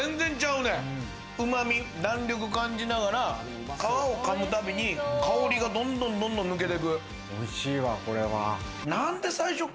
うまみ、弾力感じながら、皮を噛むたびに香りが、どんどん、どんどん抜けていく。